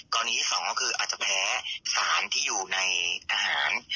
ที่สองก็คืออาจจะแพ้สารที่อยู่ในอาหาร